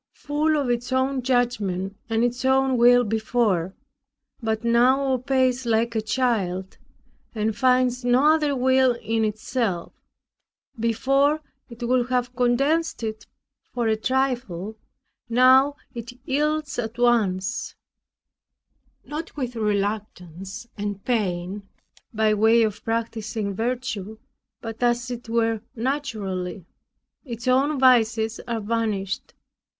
Full of its own judgment and its own will before, but now obeys like a child and finds no other will in itself. Before, it would have contested for a trifle; now it yields at once, not with reluctance and pain by way of practicing virtue, but as it were naturally. Its own vices are vanished.